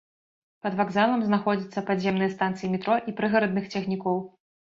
Пад вакзалам знаходзяцца падземныя станцыі метро і прыгарадных цягнікоў.